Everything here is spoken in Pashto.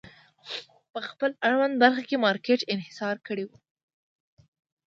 په خپل اړونده برخه کې مارکېټ انحصار کړی و.